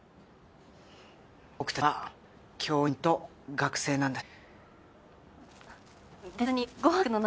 僕たちは教員と学生なんだし。